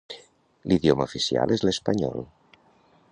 L’idioma oficial és l’espanyol.